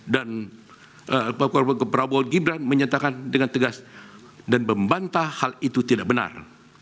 dan prabowo gibran menyatakan dengan tegas dan membantah hal itu tidak benar